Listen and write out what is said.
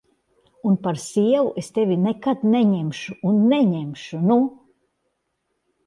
Un par sievu es tevi nekad neņemšu un neņemšu, nu!